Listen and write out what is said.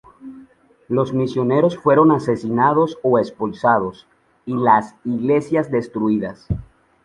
Los misioneros fueron asesinados o expulsados, y las iglesias destruidas.